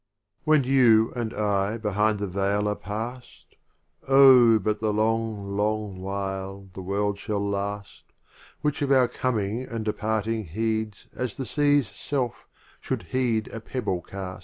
XLVII. When You and I behind the Veil are past, Oh, but the long, long while the World shall last, Which of our Coming and De parture heeds As the Sea's self should heed a pebble cast.